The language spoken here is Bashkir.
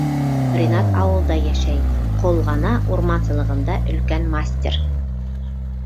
Ринат ауылда йәшәй, Ҡолғона урмансылығында өлкән мастер.